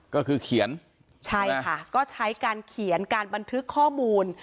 ก็คือเขียนใช่ค่ะก็ใช้การเขียนการบันทึกข้อมูล